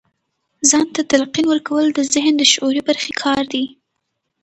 ځان ته تلقين کول د ذهن د شعوري برخې کار دی.